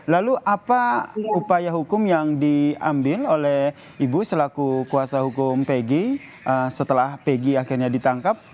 lalu apa upaya hukum yang diambil oleh ibu selaku kuasa hukum pg setelah pegi akhirnya ditangkap